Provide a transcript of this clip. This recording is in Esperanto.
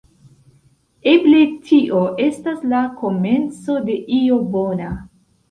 Eble tio estas la komenco de io bona.